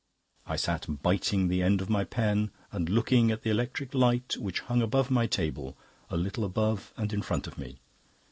I sat biting the end of my pen and looking at the electric light, which hung above my table, a little above and in front of me."